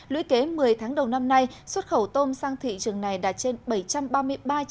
lưới kế một mươi tháng đầu năm nay xuất khẩu tôm sang thị trường này đạt trên bảy trăm ba mươi ba triệu usd tăng ba mươi chín so với cùng kỳ